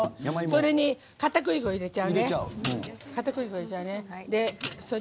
それにかたくり粉、入れちゃうね。